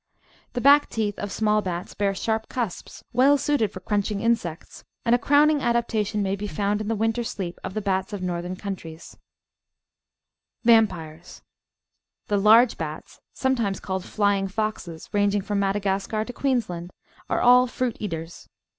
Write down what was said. The back teeth of small bats bear sharp cusps, well suited for crunching insects, and a crowning adaptation may be foimd in the winter sleep of the bats of northern countries. 466 The Outline of Science Vampires The large bats, sometimes called "flying foxes," ranging from Madagascar to Queensland, are all fruit eaters.